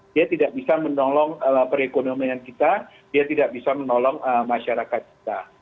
dia tidak bisa menolong perekonomian kita dia tidak bisa menolong masyarakat kita